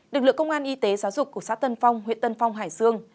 lực lượng công an y tế giáo dục của xã tân phong huyện tân phong hải dương